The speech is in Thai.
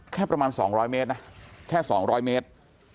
แค่ประมาณ๒๐๐เมตรนะแค่๒๐๐เมตร